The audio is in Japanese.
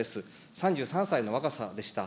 ３３歳の若さでした。